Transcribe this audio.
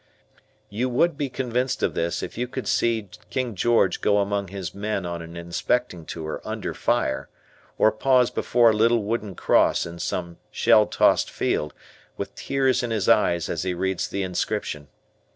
You would be convinced of this if you could seem King George go among his men on an inspecting tour under fire, or pause before a little wooden cross in some shell tossed field with tears in his eyes as he reads the inscription.